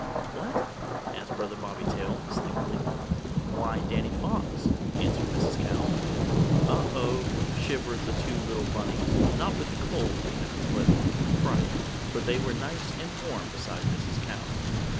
"What?" asked Brother Bobby Tail, sleepily. "Why, Danny Fox," answered Mrs. Cow. "Oh, oh!" shivered the two little bunnies not with the cold, you know, but with fright, for they were nice and warm beside Mrs. Cow.